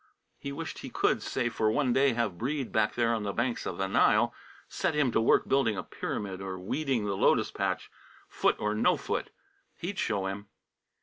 He wished he could, say for one day, have Breede back there on the banks of the Nile set him to work building a pyramid, or weeding the lotus patch, foot or no foot! He'd show him!